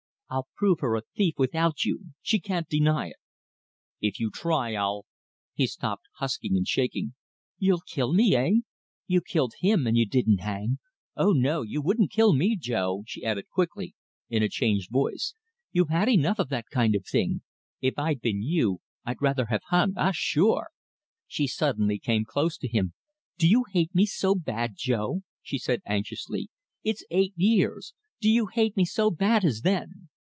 "I'll prove her a thief without you. She can't deny it." "If you try it, I'll " He stopped, husky and shaking. "You'll kill me, eh? You killed him, and you didn't hang. Oh no, you wouldn't kill me, Jo," she added quickly, in a changed voice. "You've had enough of that kind of thing. If I'd been you, I'd rather have hung ah, sure!" She suddenly came close to him. "Do you hate me so bad, Jo?" she said anxiously. "It's eight years do you hate me so bad as then?"